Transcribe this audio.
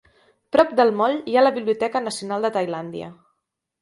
Prop del Moll hi ha la Biblioteca Nacional de Tailàndia.